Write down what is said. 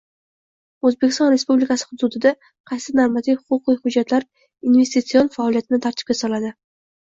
O’zbekiston Respublikasi hududida qaysi normativ-huquqiy hujjatlar investitsion faoliyatni tartibga soladi?